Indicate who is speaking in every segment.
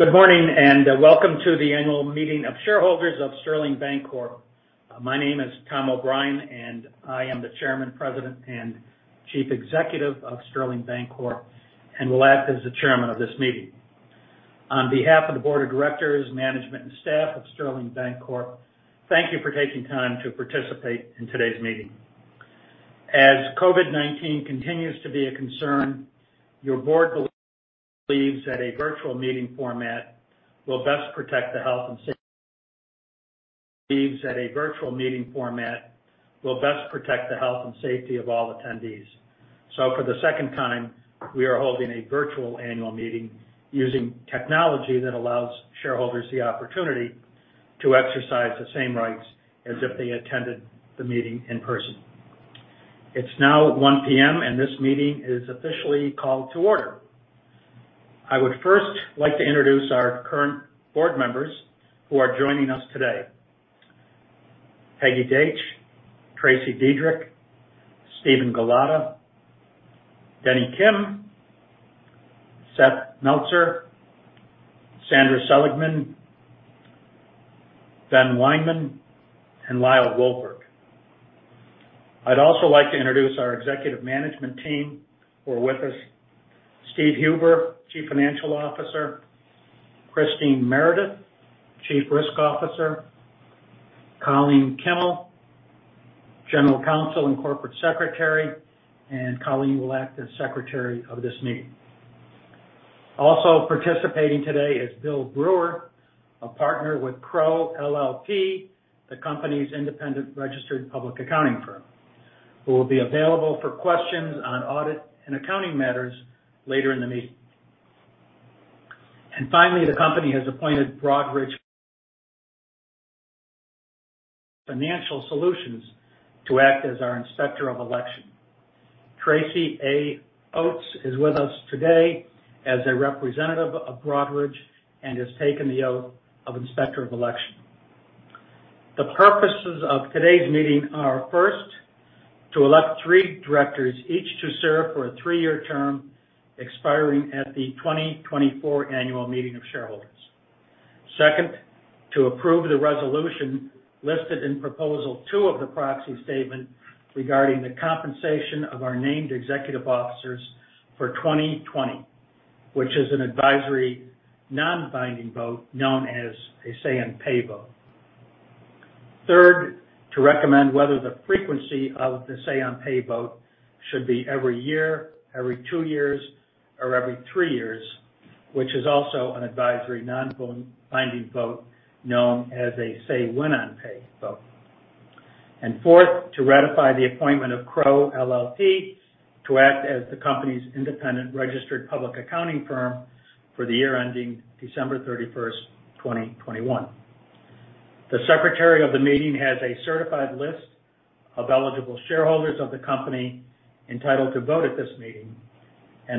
Speaker 1: Good morning, welcome to the annual meeting of shareholders of Sterling Bancorp. My name is Tom O'Brien, and I am the Chairman, President, and Chief Executive of Sterling Bancorp and will act as the Chairman of this meeting. On behalf of the board of directors, management, and staff of Sterling Bancorp, thank you for taking time to participate in today's meeting. As COVID-19 continues to be a concern, your board believes that a virtual meeting format will best protect the health and safety of all attendees. For the second time, we are holding a virtual annual meeting using technology that allows shareholders the opportunity to exercise the same rights as if they attended the meeting in person. It's now 1:00 P.M., and this meeting is officially called to order. I would first like to introduce our current board members who are joining us today. Peggy Daitch, Tracey Dedrick, Steven Gallotta, Denny Kim, Seth Meltzer, Sandra Seligman, Ben Wineman, and Lyle Wolberg. I'd also like to introduce our executive management team who are with us. Steve Huber, Chief Financial Officer, Christine Meredith, Chief Risk Officer, Colleen Kimmel, General Counsel and Corporate Secretary, Colleen will act as secretary of this meeting. Also participating today is Bill Brewer, a partner with Crowe LLP, the company's independent registered public accounting firm, who will be available for questions on audit and accounting matters later in the meeting. Finally, the company has appointed Broadridge Financial Solutions to act as our inspector of election. Tracy Oats is with us today as a representative of Broadridge and has taken the oath of inspector of election. The purposes of today's meeting are, first, to elect three directors, each to serve for a three-year term expiring at the 2024 annual meeting of shareholders. Second, to approve the resolution listed in Proposal two of the proxy statement regarding the compensation of our named executive officers for 2020. Which is an advisory, non-binding vote known as a say-on-pay vote. Third, to recommend whether the frequency of the say-on-pay vote should be every year, every two years, or every three years, which is also an advisory, non-binding vote known as a say-when-on-pay vote. Fourth, to ratify the appointment of Crowe LLP to act as the company's independent registered public accounting firm for the year ending December 31st, 2021. The secretary of the meeting has a certified list of eligible shareholders of the company entitled to vote at this meeting.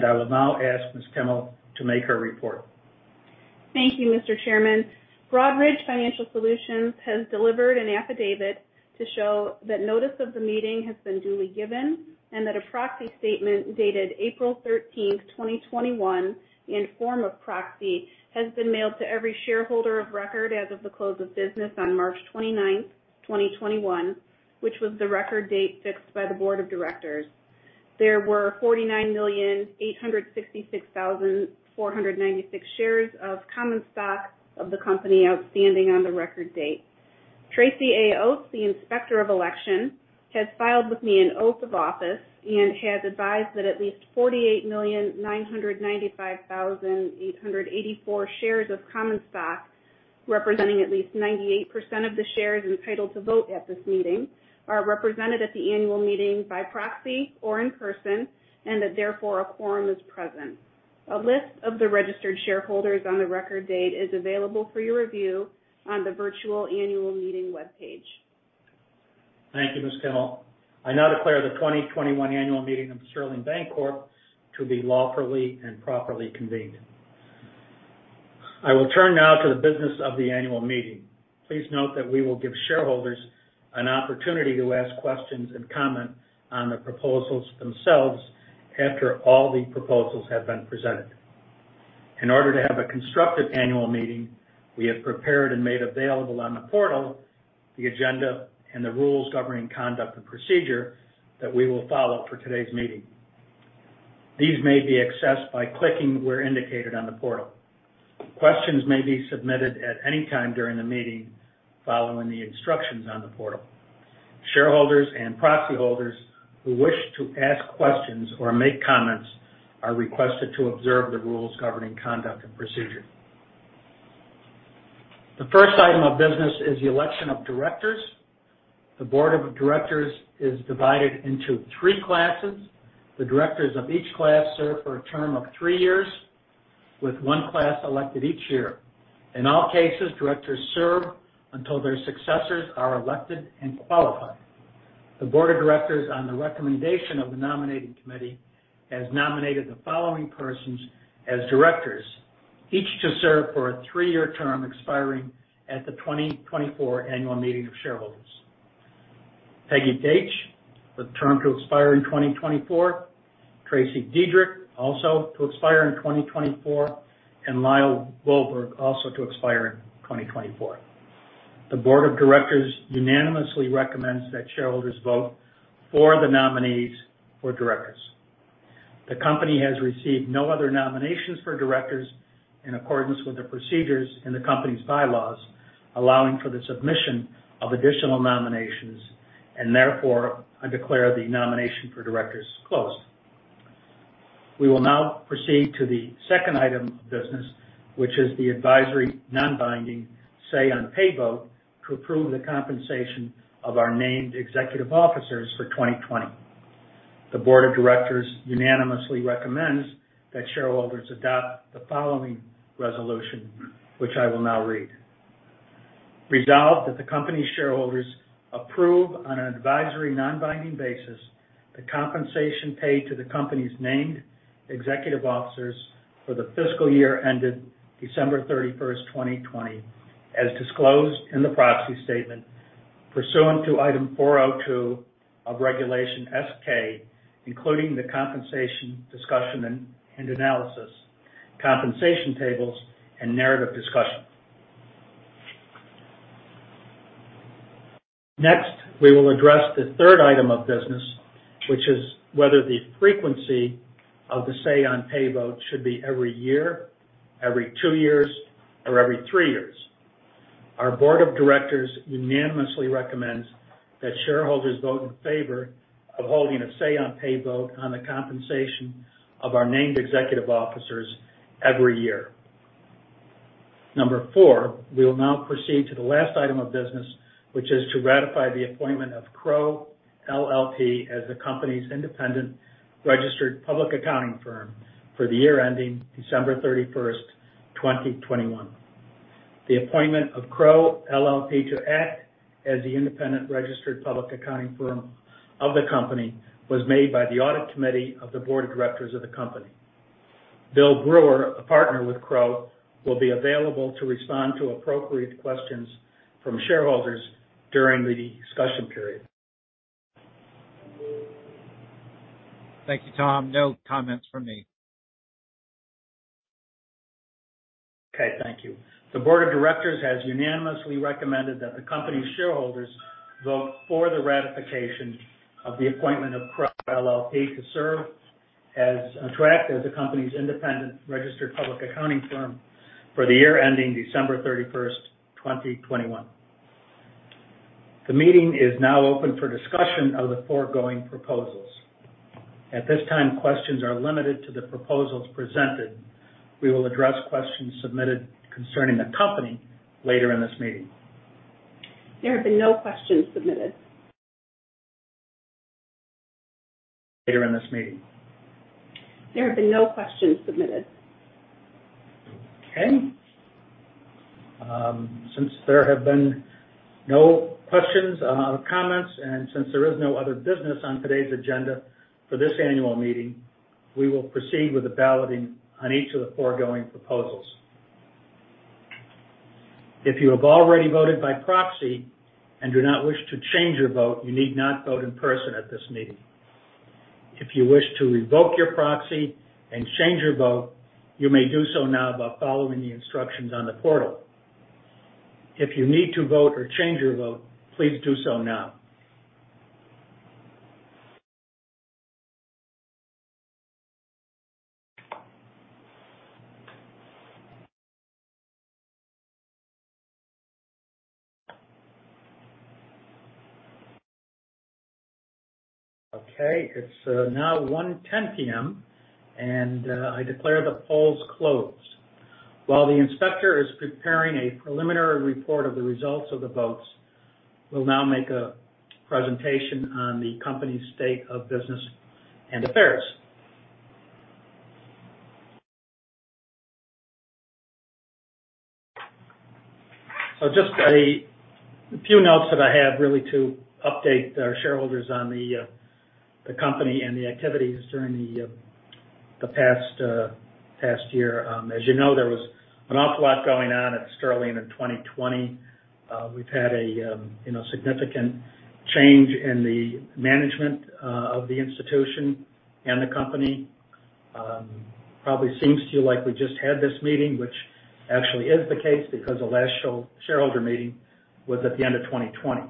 Speaker 1: I will now ask Ms. Kimmel to make her report.
Speaker 2: Thank you, Mr. Chairman. Broadridge Financial Solutions has delivered an affidavit to show that notice of the meeting has been duly given and that a proxy statement dated April 13th, 2021, and form of proxy, has been mailed to every shareholder of record as of the close of business on March 29th, 2021, which was the record date fixed by the board of directors. There were 49,856,496 shares of common stock of the company outstanding on the record date. Tracy A. Oats, the inspector of election, has filed with me an oath of office and has advised that at least 48,995,884 shares of common stock, representing at least 98% of the shares entitled to vote at this meeting, are represented at the annual meeting by proxy or in person, and that therefore a quorum is present. A list of the registered shareholders on the record date is available for your review on the virtual annual meeting webpage.
Speaker 1: Thank you, Ms. Kimmel. I now declare the 2021 annual meeting of Sterling Bancorp to be lawfully and properly convened. I will turn now to the business of the annual meeting. Please note that we will give shareholders an opportunity to ask questions and comment on the proposals themselves after all the proposals have been presented. In order to have a constructive annual meeting, we have prepared and made available on the portal the agenda and the rules governing conduct and procedure that we will follow for today's meeting. These may be accessed by clicking where indicated on the portal. Questions may be submitted at any time during the meeting following the instructions on the portal. Shareholders and proxy holders who wish to ask questions or make comments are requested to observe the rules governing conduct and procedure. The first item of business is the election of directors. The board of directors is divided into three classes. The directors of each class serve for a term of three years, with one class elected each year. In all cases, directors serve until their successors are elected and qualified. The board of directors, on the recommendation of the nominating committee, has nominated the following persons as directors, each to serve for a three-year term expiring at the 2024 annual meeting of shareholders. Peggy Daitch, her term to expire in 2024. Tracey Dedrick, also to expire in 2024, and Lyle Wolberg, also to expire in 2024. The board of directors unanimously recommends that shareholders vote for the nominees for directors. The company has received no other nominations for directors in accordance with the procedures in the company's bylaws allowing for the submission of additional nominations, and therefore, I declare the nomination for directors closed. We will now proceed to the second item of business, which is the advisory, non-binding say-on-pay vote to approve the compensation of our named executive officers for 2020. The board of directors unanimously recommends that shareholders adopt the following resolution, which I will now read. Resolve that the company shareholders approve on an advisory, non-binding basis the compensation paid to the company's named executive officers for the fiscal year ended December 31st, 2020, as disclosed in the proxy statement pursuant to Item 402 of Regulation S-K, including the compensation discussion and analysis, compensation tables, and narrative discussion. Next, we will address the third item of business, which is whether the frequency of the say-on-pay vote should be every year, every two years, or every three years. Our board of directors unanimously recommends that shareholders vote in favor of holding a say-on-pay vote on the compensation of our named executive officers every year. Number four, we will now proceed to the last item of business, which is to ratify the appointment of Crowe LLP as the company's independent registered public accounting firm for the year ending December 31st, 2021. The appointment of Crowe LLP to act as the independent registered public accounting firm of the company was made by the audit committee of the board of directors of the company. Bill Brewer, a partner with Crowe, will be available to respond to appropriate questions from shareholders during the discussion period.
Speaker 3: Thank you, Tom. No comments from me.
Speaker 1: Okay, thank you. The board of directors has unanimously recommended that the company's shareholders vote for the ratification of the appointment of Crowe LLP to serve as contract as the company's independent registered public accounting firm for the year ending December 31st, 2021. The meeting is now open for discussion of the foregoing proposals. At this time, questions are limited to the proposals presented. We will address questions submitted concerning the company later in this meeting.
Speaker 2: There have been no questions submitted.
Speaker 1: Later in this meeting.
Speaker 2: There have been no questions submitted.
Speaker 1: Okay. Since there have been no questions or comments, and since there is no other business on today's agenda for this annual meeting, we will proceed with the balloting on each of the foregoing proposals. If you have already voted by proxy and do not wish to change your vote, you need not vote in person at this meeting. If you wish to revoke your proxy and change your vote, you may do so now by following the instructions on the portal. If you need to vote or change your vote, please do so now. Okay, it's now 1:10 P.M., and I declare the polls closed. While the inspector is preparing a preliminary report of the results of the votes, we'll now make a presentation on the company state of business and affairs. Just a few notes that I have really to update our shareholders on the company and the activities during the past year. As you know, there was an awful lot going on at Sterling in 2020. We've had a significant change in the management of the institution and the company. Probably seems to you like we just had this meeting, which actually is the case because the last shareholder meeting was at the end of 2020.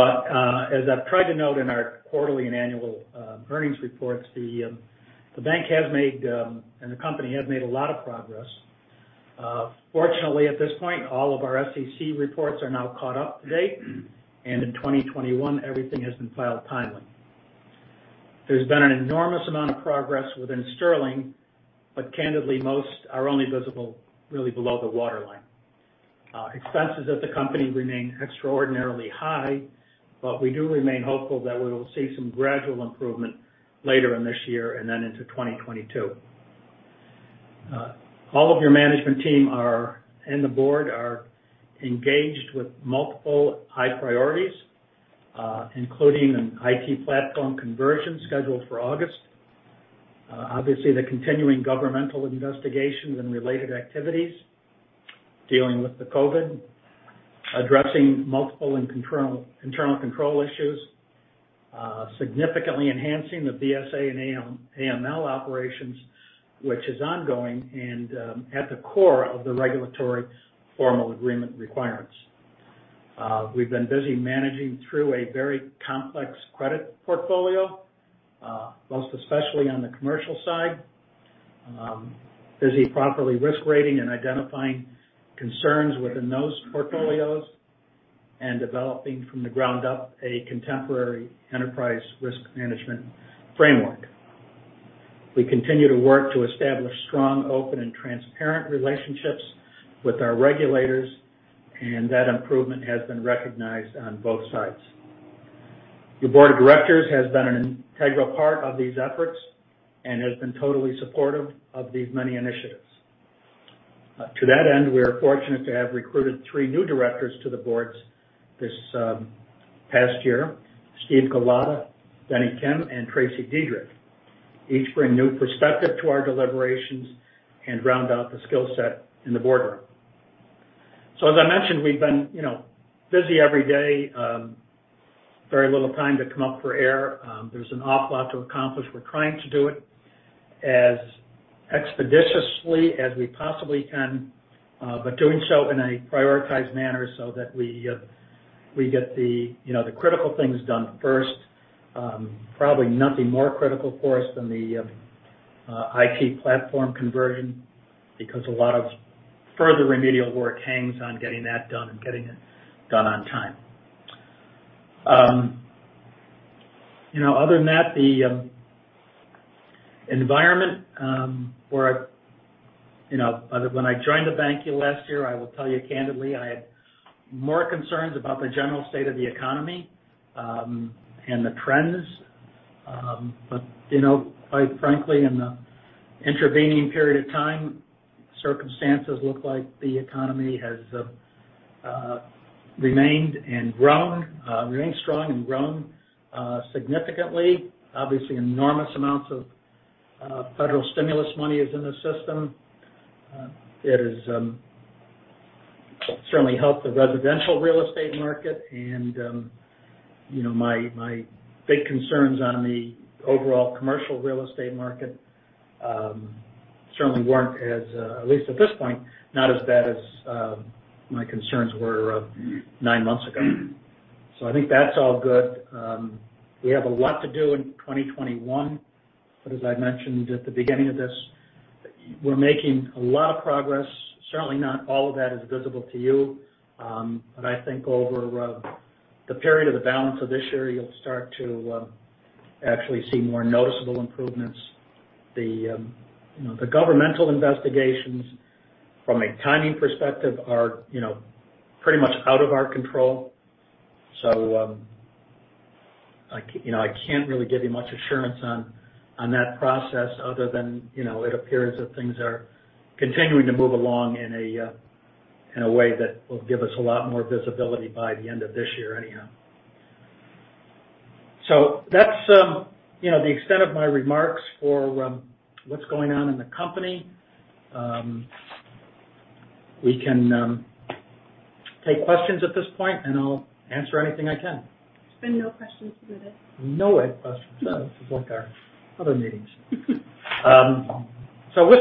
Speaker 1: As I've tried to note in our quarterly and annual earnings reports, the bank and the company have made a lot of progress. Fortunately, at this point, all of our SEC reports are now caught up to date, and in 2021, everything has been filed timely. There's been an enormous amount of progress within Sterling, but candidly, most are only visible really below the waterline. Expenses at the company remain extraordinarily high, we do remain hopeful that we will see some gradual improvement later in this year and then into 2022. All of your management team and the board are engaged with multiple high priorities, including an IT platform conversion scheduled for August. The continuing governmental investigations and related activities dealing with the COVID-19, addressing multiple internal control issues, significantly enhancing the BSA and AML operations, which is ongoing and at the core of the regulatory formal agreement requirements. We've been busy managing through a very complex credit portfolio, most especially on the commercial side. Busy properly risk rating and identifying concerns within those portfolios and developing from the ground up a contemporary enterprise risk management framework. We continue to work to establish strong, open, and transparent relationships with our regulators, and that improvement has been recognized on both sides. The board of directors has been an integral part of these efforts and has been totally supportive of these many initiatives. We are fortunate to have recruited three new directors to the Board this past year, Steven Gallotta, Denny Kim, and Tracey Dedrick. Each bring new perspective to our deliberations and round out the skill set in the boardroom. As I mentioned, we've been busy every day. Very little time to come up for air. There's an awful lot to accomplish. We're trying to do it as expeditiously as we possibly can, but doing so in a prioritized manner so that we get the critical things done first. Probably nothing more critical for us than the IT platform conversion because a lot of further remedial work hangs on getting that done and getting it done on time. Other than that, the environment when I joined the bank here last year, I will tell you candidly, I had more concerns about the general state of the economy and the trends. Quite frankly, in the intervening period of time, circumstances look like the economy has remained strong and grown significantly. Obviously, enormous amounts of federal stimulus money is in the system. It has certainly helped the residential real estate market and my big concerns on the overall commercial real estate market certainly weren't, at least at this point, not as bad as my concerns were nine months ago. I think that's all good. We have a lot to do in 2021. As I mentioned at the beginning of this, we're making a lot of progress. Certainly not all of that is visible to you. I think over the period of the balance of this year, you'll start to actually see more noticeable improvements. The governmental investigations from a timing perspective are pretty much out of our control. I can't really give you much assurance on that process other than it appears that things are continuing to move along in a way that will give us a lot more visibility by the end of this year anyhow. That's the extent of my remarks for what's going on in the company. We can take questions at this point, and I'll answer anything I can.
Speaker 2: There's been no questions through this.
Speaker 1: No way. Other meetings. With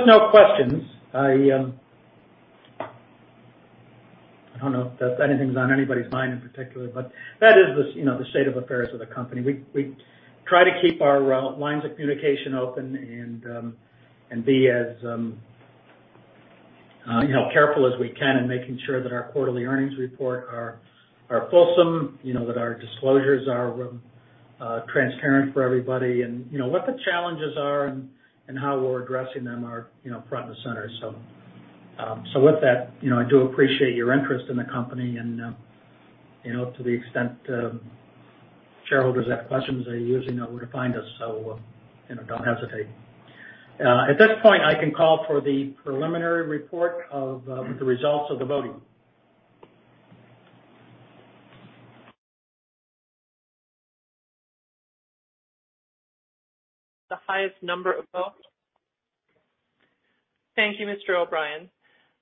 Speaker 1: no questions, I don't know if anything's on anybody's mind in particular, but that is the state of affairs of the company. We try to keep our lines of communication open and be as careful as we can in making sure that our quarterly earnings report are fulsome, that our disclosures are transparent for everybody, and what the challenges are and how we're addressing them are front and center. With that, I do appreciate your interest in the company and to the extent shareholders have questions, they usually know where to find us, so don't hesitate. At this point, I can call for the preliminary report of the results of the voting.
Speaker 4: The highest number of votes. Thank you, Mr. O'Brien.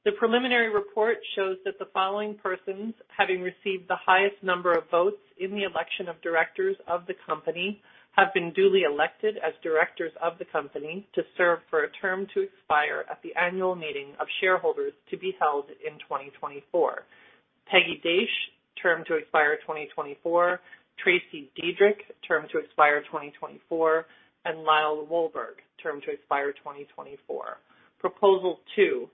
Speaker 4: The preliminary report shows that the following persons, having received the highest number of votes in the election of directors of the company, have been duly elected as directors of the company to serve for a term to expire at the annual meeting of shareholders to be held in 2024. Peggy Daitch, term to expire 2024, Tracey Dedrick, term to expire 2024, and Lyle Wolberg, term to expire 2024. Proposal two,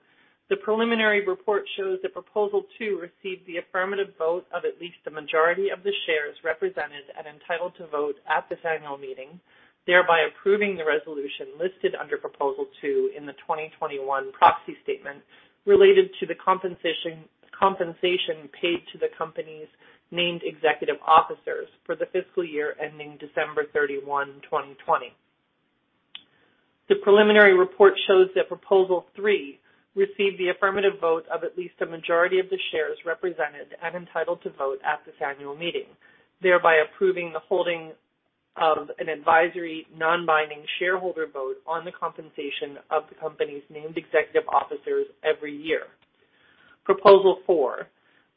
Speaker 4: the preliminary report shows that proposal two received the affirmative vote of at least a majority of the shares represented and entitled to vote at this annual meeting, thereby approving the resolution listed under proposal two in the 2021 proxy statement related to the compensation paid to the company's named executive officers for the fiscal year ending December 31, 2020. The preliminary report shows that proposal three received the affirmative vote of at least a majority of the shares represented and entitled to vote at this annual meeting, thereby approving the holding of an advisory, non-binding shareholder vote on the compensation of the company's named executive officers every year. Proposal four,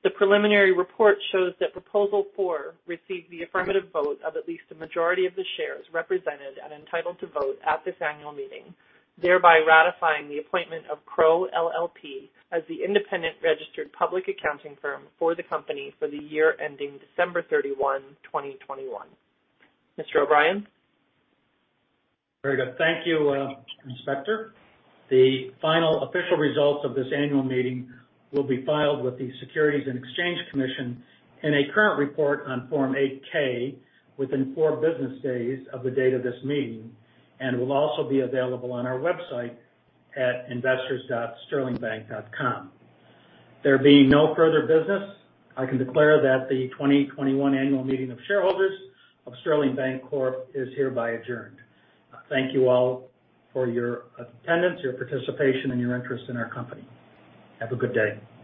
Speaker 4: the preliminary report shows that proposal four received the affirmative vote of at least a majority of the shares represented and entitled to vote at this annual meeting, thereby ratifying the appointment of Crowe LLP as the independent registered public accounting firm for the company for the year ending December 31, 2021. Mr. O'Brien.
Speaker 1: Very good. Thank you, Inspector. The final official results of this annual meeting will be filed with the Securities and Exchange Commission in a current report on Form 8-K within four business days of the date of this meeting and will also be available on our website at investors.sterlingbank.com. There being no further business, I can declare that the 2021 annual meeting of shareholders of Sterling Bancorp is hereby adjourned. Thank you all for your attendance, your participation, and your interest in our company. Have a good day.